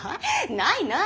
ないない。